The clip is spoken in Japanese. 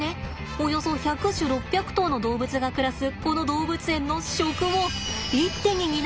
およそ１００種６００頭の動物が暮らすこの動物園の食を一手に担う台所があるんだって！